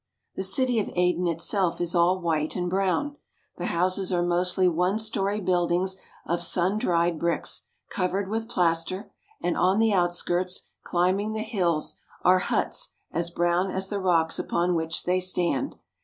The city of Aden itself is all white and brown. The houses are mostly one story buildings of sun dried bricks, covered with plaster; and on the outskirts, climbing the hills, arer huts as brown as the rocks upon which they stand.